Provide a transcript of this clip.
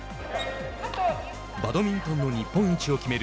バドミントンの日本一を決める